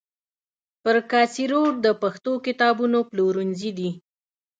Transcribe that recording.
پر کاسي روډ د پښتو کتابونو پلورنځي دي.